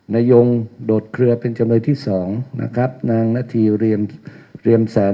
นายงโดดเคลือเป็นจำเลยที่สองนะครับนางนาธีเรียมแสน